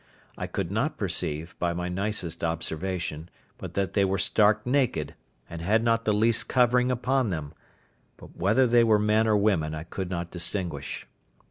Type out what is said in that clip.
I could not perceive, by my nicest observation, but that they were stark naked, and had not the least covering upon them; but whether they were men or women I could not distinguish.